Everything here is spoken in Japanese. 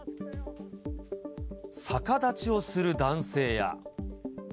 逆立ちをする男性や。